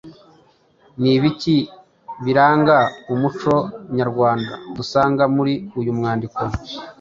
Ni ibiki biranga umuco nyarwanda dusanga muri uyu mwandiko?